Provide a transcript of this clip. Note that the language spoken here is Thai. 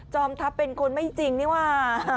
ทัพเป็นคนไม่จริงนี่ว่า